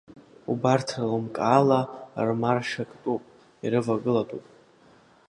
Убарҭ лымкаала рмаршәа ктәуп, ирывагылатәуп.